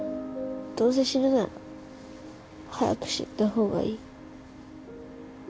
どうせ死ぬなら早く死んだ方がいい。